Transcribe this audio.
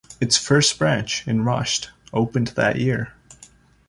Its first branch, in Rasht, opened that year.